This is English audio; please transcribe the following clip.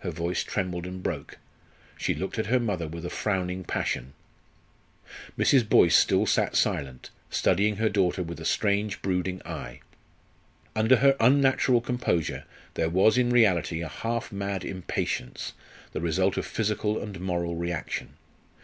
Her voice trembled and broke, she looked at her mother with a frowning passion. Mrs. Boyce still sat silent, studying her daughter with a strange, brooding eye. Under her unnatural composure there was in reality a half mad impatience, the result of physical and moral reaction.